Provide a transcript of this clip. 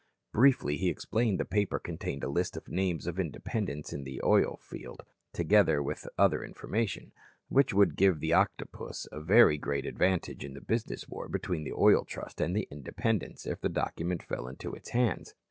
Briefly he explained the paper contained a list of names of "independents" in the oil field, together with other information, which would give the Octopus a very great advantage in the business war between the Oil Trust and the "independents" if the document fell into its hands.